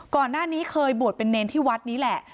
ก่อนหน้านี้เคยบวชเป็นเนรที่วัดนี้แหละ